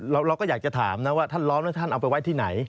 เราก็อยากจะถามนะว่าท่านล้อมแล้วท่านเอาไปไว้ที่ไหน